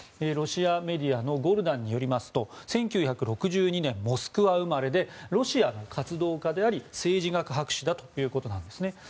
ロシアメディアのゴルダンによりますと１９６２年モスクワ生まれでロシアの活動家であり政治学博士だということです。